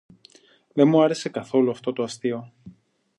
Δε μ' άρεσε καθόλου αυτό το αστείο